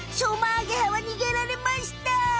アゲハはにげられました！